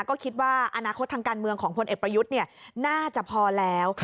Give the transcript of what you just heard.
ก็คิดว่าอนาคตทางการเมืองของพลเอกประยุทธ์น่าจะพอแล้ว